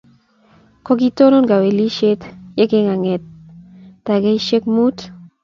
Kokitonon kawelisyet ye kingang'et takigaisyek muutu.